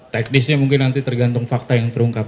teknisnya mungkin nanti tergantung fakta yang terungkap